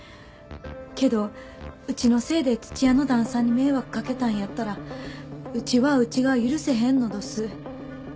けどうちのせいで土屋の旦さんに迷惑かけたんやったらうちはうちが許せへんのどす。